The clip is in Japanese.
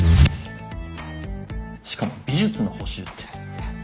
しかも美術の補習って。